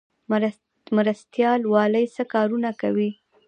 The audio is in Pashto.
مرستیال والي څه کارونه کوي؟